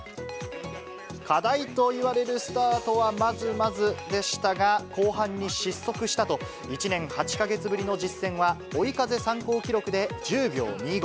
課題といわれるスタートはまずまずでしたが、後半に失速したと、１年８月ぶりの実戦は追い風参考記録で１０秒２５。